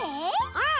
うん！